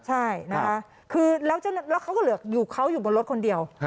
ใช่แล้วเขาก็เหลือเขาอยู่บนรถคนเดียว